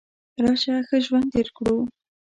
راشه ښه ژوند تیر کړو .